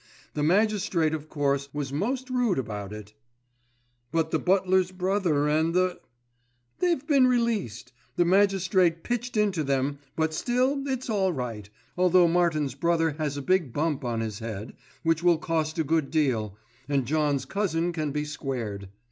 The magistrate, of course, was most rude about it." "But the butler's brother and the—" "They've been released. The magistrate pitched into them; but still, it's all right, although Martin's brother has a big bump on his head, which will cost a good deal, and John's cousin can be squared.